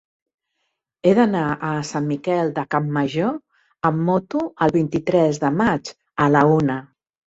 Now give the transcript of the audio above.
He d'anar a Sant Miquel de Campmajor amb moto el vint-i-tres de maig a la una.